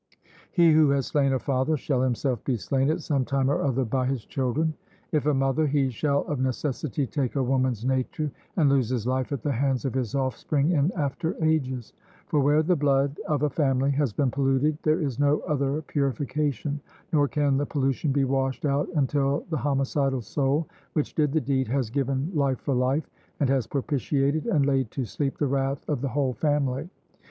He who has slain a father shall himself be slain at some time or other by his children if a mother, he shall of necessity take a woman's nature, and lose his life at the hands of his offspring in after ages; for where the blood of a family has been polluted there is no other purification, nor can the pollution be washed out until the homicidal soul which did the deed has given life for life, and has propitiated and laid to sleep the wrath of the whole family.